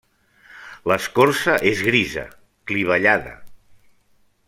L'escorça és grisa, clivellada.